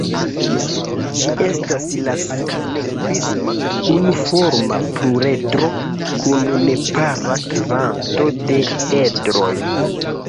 Ĝi estas la sola ne-prisma unuforma pluredro kun nepara kvanto de edroj.